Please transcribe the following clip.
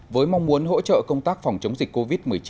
với mong muốn hỗ trợ công tác phòng chống dịch covid một mươi chín